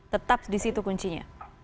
tetap di situ kuncinya